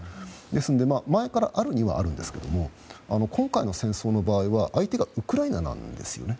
ですので、前からあるにはあるんですが今回の戦争の場合は相手がウクライナなんですよね。